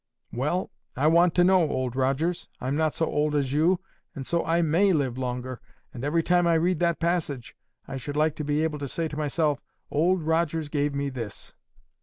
"Well, I want to know, old Rogers. I'm not so old as you, and so I MAY live longer; and every time I read that passage, I should like to be able to say to myself, 'Old Rogers gave me this.